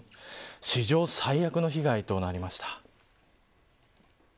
史上最悪の被害となりました。